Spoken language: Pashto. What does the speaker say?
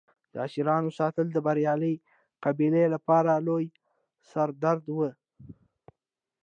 د اسیرانو ساتل د بریالۍ قبیلې لپاره لوی سر درد و.